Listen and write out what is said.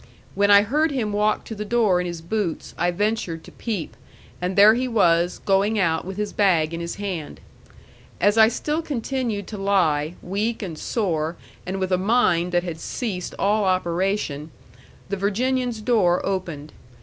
When I heard him walk to the door in his boots, I ventured to peep; and there he was, going out with his bag in his hand. As I still continued to lie, weak and sore, and with a mind that had ceased all operation, the Virginian's door opened.